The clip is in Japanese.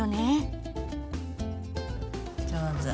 上手。